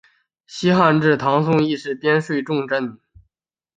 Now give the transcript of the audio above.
西汉至唐宋亦是边睡重镇。